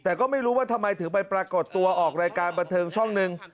แต่ก็ไม่รู้ว่าทำไมถึงไปปรากฏตัวออกรายการบันเทิงช่องหนึ่ง